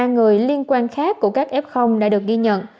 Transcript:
ba bảy trăm linh ba người liên quan khác của các f đã được ghi nhận